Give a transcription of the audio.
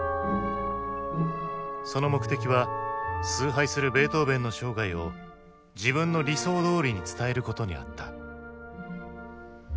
その目的は崇拝するベートーヴェンの生涯を自分の理想どおりに伝えることにあった。